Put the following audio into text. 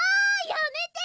やめて！